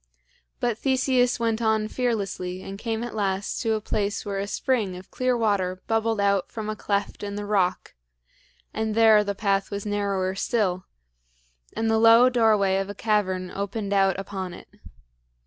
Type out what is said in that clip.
But Theseus went on fearlessly and came at last to a place where a spring of clear water bubbled out from a cleft in the rock; and there the path was narrower still, and the low doorway of a cavern opened out upon it.